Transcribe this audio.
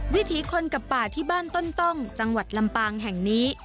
วิถีคนกับป่าที่บ้านต้นต้องจังหวัดลำปางแห่งนี้